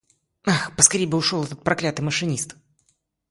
Ах, поскорее ушел бы этот проклятый машинист!